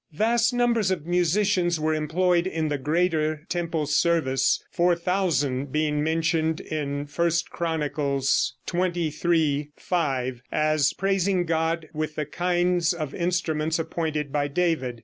Vast numbers of musicians were employed in the greater temple service, 4,000 being mentioned in I Chronicles xxiii, 5, as praising God with the kinds of instruments appointed by David.